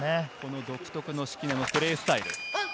独特な敷根のプレースタイル。